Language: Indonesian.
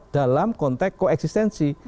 dalam konteks koeksistensi